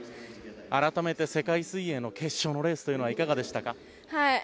改めて世界水泳の決勝のレースというのはいかがでしたか。